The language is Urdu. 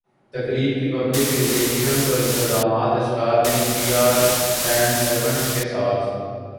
تقریب کی پبلک ریلشنزاورانتظامات star link P R and events کے تھے